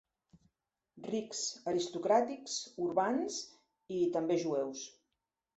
Rics, aristocràtics, urbans… i també jueus.